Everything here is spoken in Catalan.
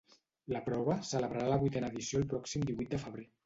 La prova celebrarà la vuitena edició el pròxim divuit de febrer.